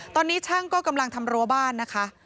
ตอนนี้ช่างก็กำลังทำรั้วบ้านนะคะ